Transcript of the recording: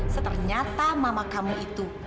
seternyata mama kamu itu